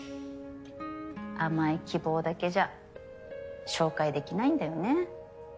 甘い希望だけじゃ紹介できないんだよね。